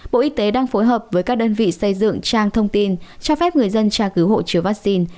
bộ y tế đang phối hợp với các đơn vị xây dựng trang thông tin cho phép người dân tra cứu hộ chiếu vaccine